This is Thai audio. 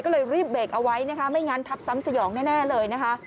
ก็เลยรีบเบรกเอาไว้นะคะไม่งั้นทับซ้ำสยองแน่เลยนะคะ